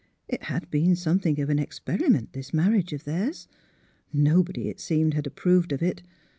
It had been something of an experiment, this marriage of theirs. Nobody, it seemed, had approved of it.